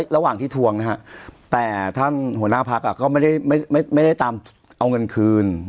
ระหว่างที่ทวงนะฮะแต่ท่านหัวหน้าพักก็ไม่ได้ตามเอาเงินคืน